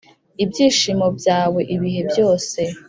ibyishimo byawe ibihe byose.